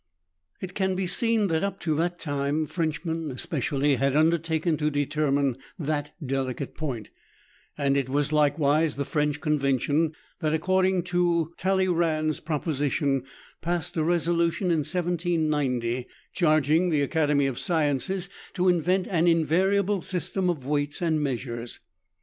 It can be seen that up to that time Frenchmen especially had undertaken to determine that delicate point, and it was likewise the French Convention that, according to Talley rand's proposition, passed a resolution in 1790, charging the Academy of Sciences to invent an invariable system of weights and measures.